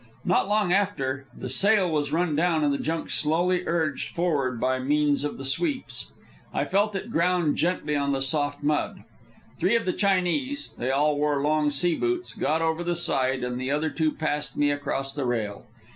Not long after, the sail was run down and the junk slowly urged forward by means of the sweeps. I felt it ground gently on the soft mud. Three of the Chinese they all wore long sea boots got over the side, and the other two passed me across the rail.